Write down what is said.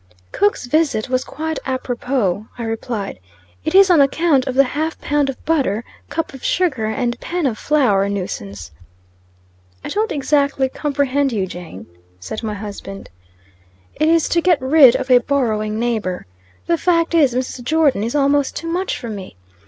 "Cook's visit was quite apropos," I replied. "It is on account of the 'half pound of butter,' 'cup of sugar,' and 'pan of flour' nuisance." "I don't exactly comprehend you, Jane," said my husband. "It is to get rid of a borrowing neighbor. The fact is, Mrs. Jordon is almost too much for me.